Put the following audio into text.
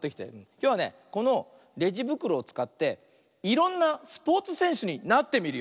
きょうはねこのレジぶくろをつかっていろんなスポーツせんしゅになってみるよ。